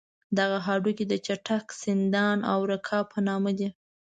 دغه هډوکي د څټک، سندان او رکاب په نامه دي.